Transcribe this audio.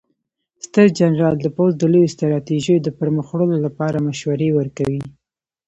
ستر جنرال د پوځ د لویو ستراتیژیو د پرمخ وړلو لپاره مشورې ورکوي.